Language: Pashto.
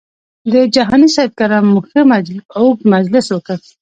د جهاني صاحب کره مو ښه اوږد مجلس وکړ.